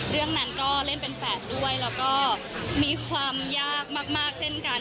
เรื่องนั้นก็เล่นเป็นแฝดด้วยแล้วก็มีความยากมากเช่นกัน